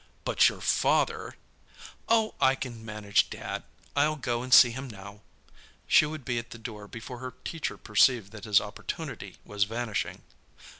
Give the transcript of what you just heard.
"But your father—" "Oh, I can manage Dad. I'll go and see him now." She would be at the door before her teacher perceived that his opportunity was vanishing.